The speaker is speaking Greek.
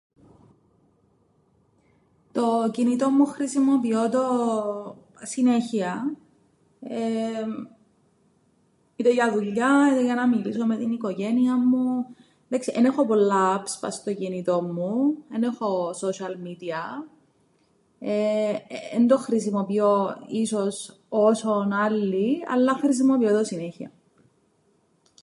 Το κινητόν μου χρησιμοποιώ το συνέχειαν, είτε για δουλειάν είτε για να μιλήσω με την οικογένειαν μου. 'Ντάξει εν έχω πολλά apps πά' στο κινητόν μου, εν έχω social media. Εν το χρησιμοποιώ ίσως όσον άλλοι, αλλά χρησημοποιώ το συνέχειαν.